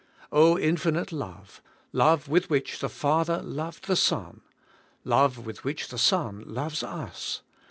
Infinite Love! Love with which the Father loved the Son! Love with which the Son loves us!